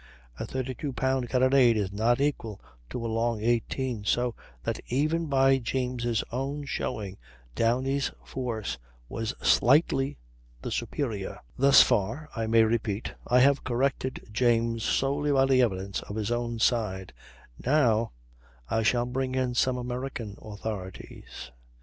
A 32 pound carronade is not equal to a long 18; so that even by James' own showing Downie's force was slightly the superior. Thus far, I may repeat, I have corrected James solely by the evidence of his own side; now I shall bring in some American authorities.